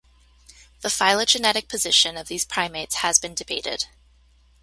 The phylogenetic position of these primates has been debated.